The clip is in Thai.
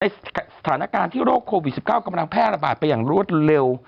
สถานการณ์ที่โรคโควิด๑๙กำลังแพร่ระบาดไปอย่างรวดเร็ว